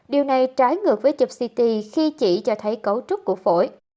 điều này trái ngược với chụp ct khi chỉ cho thấy cấu trúc của phổi